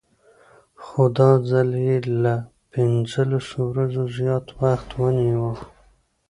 خو دا ځل یې له پنځلسو ورځو زیات وخت ونه نیوه.